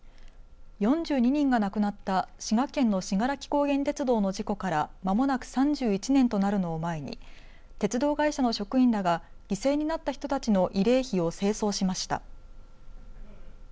４２人が亡くなった滋賀県の信楽高原鉄道の事故からまもなく３１年となるの前に鉄道会社の職員らが犠牲になった人たちの慰霊碑を清掃しました。